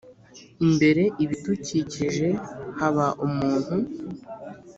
Imbere ibidukikije haba umuntu